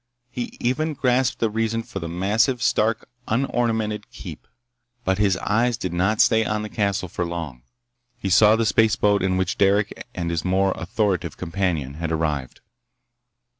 He even grasped the reason for the massive, stark, unornamented keep. But his eyes did not stay on the castle for long. He saw the spaceboat in which Derec and his more authoritative companion had arrived.